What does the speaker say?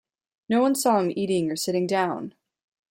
No one saw him eating or sitting down.